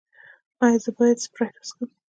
ایا زه باید سپرایټ وڅښم؟